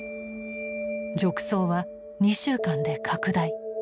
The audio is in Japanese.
褥瘡は２週間で拡大。